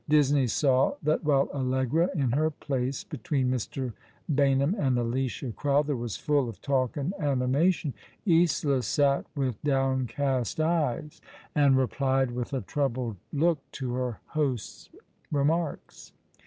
Disney saw that while Allegra, in her place between Mr. Baynham and Alicia Crowther, was full 'of talk and animation, Isola sat with downcast eyes, and replied with a troubled look to her host's remarks.